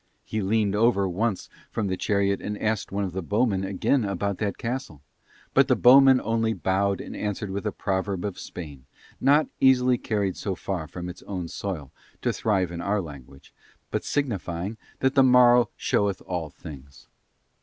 He leaned over once from the chariot and asked one of the bowmen again about that castle; but the bowman only bowed and answered with a proverb of Spain, not easily carried so far from its own soil to thrive in our language, but signifying that the morrow showeth all things.